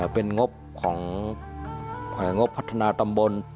เป็นงบของงบพัฒนาตำบล